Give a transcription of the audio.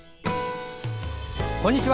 こんにちは。